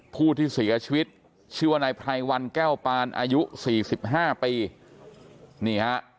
ผู้ที่เสียชวิตชื่อวะในไพรวัณแก้วปานอายุ๔๕ปี